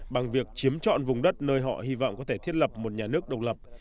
bằng việc chiếm chọn vùng đất nơi họ hy vọng có thể thiết lập một nhà nước độc lập